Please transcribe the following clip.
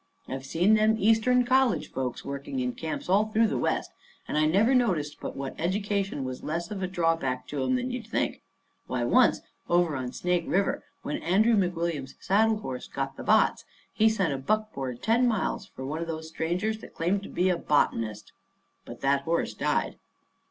I've seen them Eastern college fellows working in camps all through the West, and I never noticed but what education was less of a drawback to 'em than you would think. Why, once over on Snake River, when Andrew McWilliams' saddle horse got the botts, he sent a buckboard ten miles for one of these strangers that claimed to be a botanist. But that horse died.